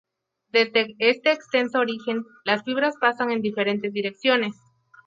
Desde este extenso origen, las fibras pasan en diferentes direcciones.